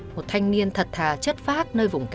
một thanh niên thật thà chất phát